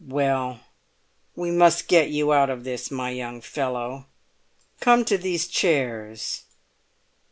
"Well, we must get you out of this, my young fellow! Come to these chairs."